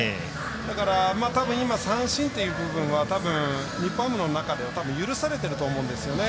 だから、たぶん今三振という部分は日本ハムの中では許されてると思うんですよね。